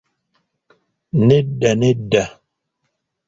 Nedda, nedda!